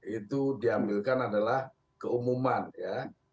itu diambilkan antara pemerintah dan pemerintah